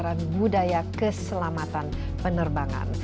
gerakan penyadaran budaya keselamatan penerbangan